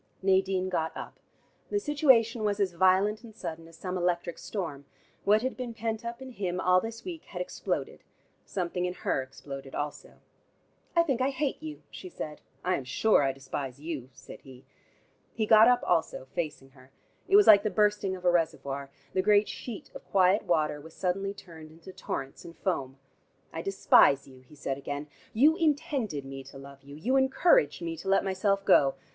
Nadine got up. The situation was as violent and sudden as some electric storm. What had been pent up in him all this week, had exploded: something in her exploded also. "I think I hate you," she said. "I am sure I despise you," said he. He got up also, facing her. It was like the bursting of a reservoir: the great sheet of quiet water was suddenly turned into torrents and foam. "I despise you," he said again. "You intended me to love you; you encouraged me to let myself go.